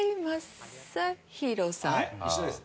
「一緒です」